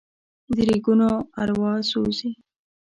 د ریګونو اروا سوزي